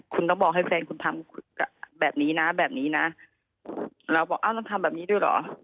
คุณต้องบอกให้แฟนคุณทำแบบนี้นะแบบนี้นะเราบอกอ้าวต้องทำแบบนี้ด้วยเหรอ